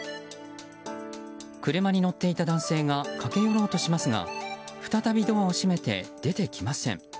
車に乗っていた男性が駆け寄ろうとしますが再びドアを閉めて出てきません。